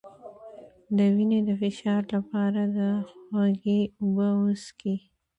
د وینې د فشار لپاره د هوږې اوبه وڅښئ